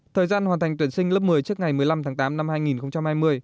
thời gian hoàn thành tuyển sinh lớp một mươi trước ngày một mươi năm tháng tám năm hai nghìn hai mươi